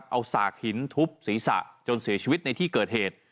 เอาสากหินทุบศีรษะจนเสียชีวิตในที่เกิดเหตุ